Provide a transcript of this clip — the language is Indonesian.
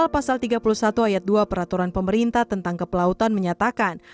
pasal tiga puluh satu ayat dua peraturan pemerintah tentang kepelautan menyatakan